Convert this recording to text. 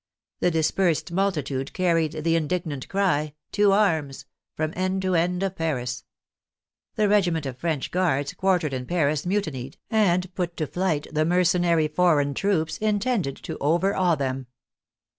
The dispersed multi tude carried the indignant cry, " To arms !" from end to end of Paris. The regiment of French guards quartered in Paris mutinied, and put to flight the mercenary foreign troops intended to overawe them.